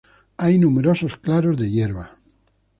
Hay numerosos claros de hierba.